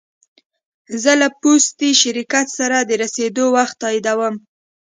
زه له پوستي شرکت سره د رسېدو وخت تاییدوم.